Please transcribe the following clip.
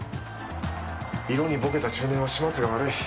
色にボケた中年は始末が悪い。